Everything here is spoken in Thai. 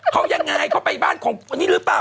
เขายังไงเขาไปบ้านของนี่หรือเปล่า